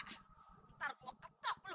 ntar gua ketok lu